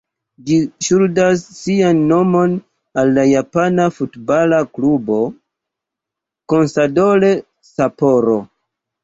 Ĝi ŝuldas sian nomon al la japana futbala klubo "Consadole Sapporo".